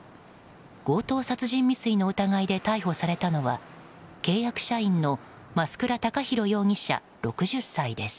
強盗殺人未遂の疑いで逮捕されたのは契約社員の増倉孝弘容疑者です。